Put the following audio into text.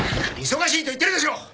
忙しいと言ってるでしょう！